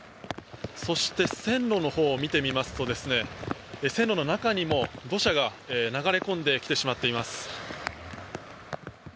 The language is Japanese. そして線路のほうを見てみますと線路の中にも土砂が流れ込んでしまっています。